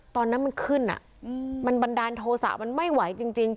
ตอนนั้นมันขึ้นมันบันดาลโทษะมันไม่ไหวจริง